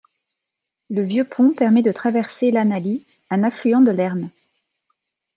Le vieux pont permet de traverser l'Annalee, un affluent de l'Erne.